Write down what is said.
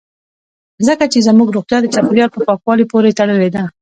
ځکه چې زموږ روغتیا د چاپیریال په پاکوالي پورې تړلې ده